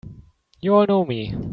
You all know me!